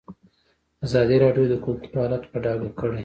ازادي راډیو د کلتور حالت په ډاګه کړی.